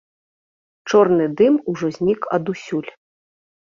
Чорны дым ужо знік адусюль.